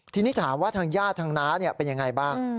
ทีนี้ถามว่าทางญาติทางน้าเป็นยังไงบ้าง